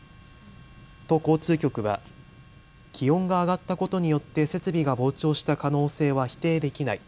都交通局は気温が上がったことによって設備が膨張した可能性は否定できない。